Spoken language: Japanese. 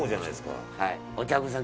はい。